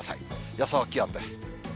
予想気温です。